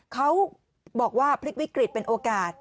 เขาบอกว่าพลิกวิกฤตเป็นโอกาส